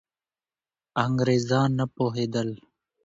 انګریزان نه پوهېدل.